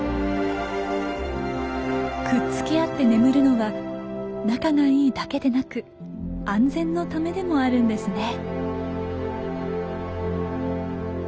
くっつき合って眠るのは仲がいいだけでなく安全のためでもあるんですね。